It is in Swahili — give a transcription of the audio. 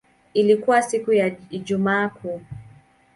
Ilikuwa siku ya Ijumaa Kuu.